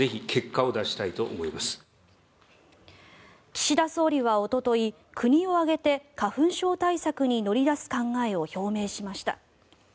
岸田総理はおととい国を挙げて花粉症対策に乗り出す考えを表明しました。